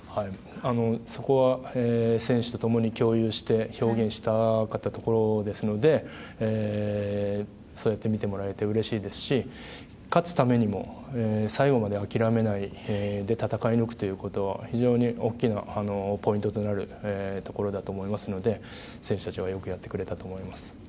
そこは選手と共に共有して表現したかったところですのでそうやって見てもらえてうれしいですし勝つためにも最後まで諦めないで戦い抜くということ非常に大きなポイントとなるところだと思いますので選手たちはよくやってくれたと思います。